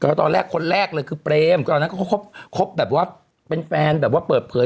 ก็ตอนแรกคนแรกเลยคือเปรมก็ตอนนั้นเขาคบแบบว่าเป็นแฟนแบบว่าเปิดเผย